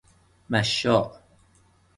مَشاء